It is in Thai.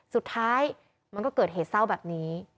สุดท้ายมันก็เกิดเหตุเศร้าแบบนี้